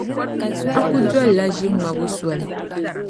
A kul dolila ʒiŋmabo soli.